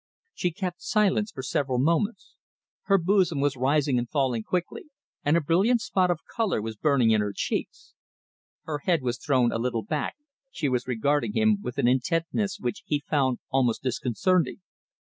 She kept silence for several moments. Her bosom was rising and falling quickly, and a brilliant spot of colour was burning in her cheeks. Her head was thrown a little back, she was regarding him with an intentness which he found almost disconcerting.